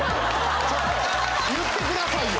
ちょっと言ってくださいよ。